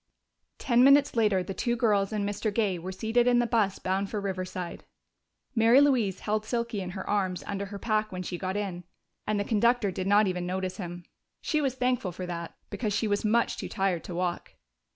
Ten minutes later the two girls and Mr. Gay were seated in the bus bound for Riverside. Mary Louise held Silky in her arms under her pack when she got in, and the conductor did not even notice him. She was thankful for that, because she was much too tired to walk.